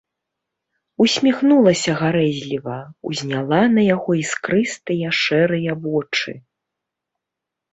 Усміхнулася гарэзліва, узняла на яго іскрыстыя шэрыя вочы.